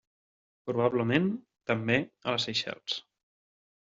Probablement, també, a les Seychelles.